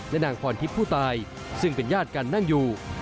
และนางพรทิพย์ผู้ตายซึ่งเป็นญาติกันนั่งอยู่